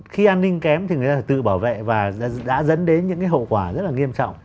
khi an ninh kém thì người ta tự bảo vệ và đã dẫn đến những cái hậu quả rất là nghiêm trọng